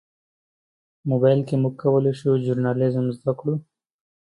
موبایل کې موږ کولی شو ژورنالیزم زده کړو.